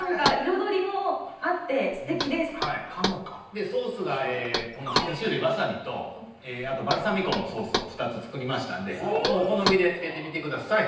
でソースが２種類わさびとあとバルサミコのソースを２つ作りましたんでもうお好みで付けてみてください。